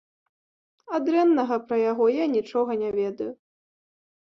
А дрэннага пра яго я нічога не ведаю.